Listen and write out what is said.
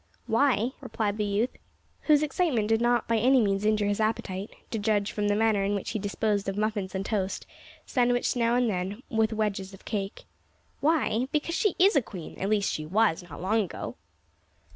"Why?" replied the youth, whose excitement did not by any means injure his appetite to judge from the manner in which he disposed of muffins and toast, sandwiched now and then with wedges of cake "Why? because she is a queen at least she was not long ago."